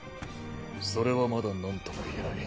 それはまだなんとも言えない。